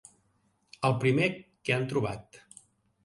El primer que han trobat.